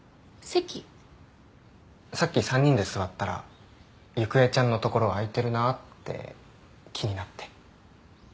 さっき３人で座ったらゆくえちゃんの所空いてるなって気になって。